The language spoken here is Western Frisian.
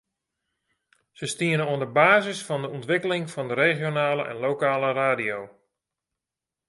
Se stienen oan de basis fan de ûntwikkeling fan de regionale en lokale radio.